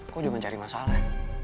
kok juga mencari masalah